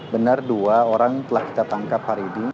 benar dua orang telah kita tangkap hari ini